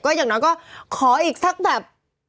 ก็อย่างนั้นก็ขออีกสักแบบ